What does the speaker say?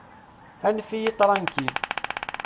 Anef-iyi tṛankil.